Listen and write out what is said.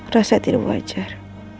rasa tidak wajar